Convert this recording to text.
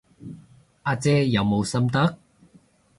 阿姐有冇心得？